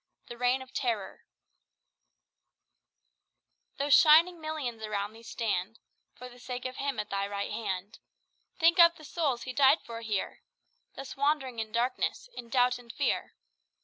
The Reign of Terror "Though shining millions around thee stand, For the sake of him at thy right hand Think of the souls he died for here, Thus wandering in darkness, in doubt and fear.